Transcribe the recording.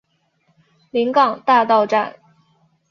临港大道站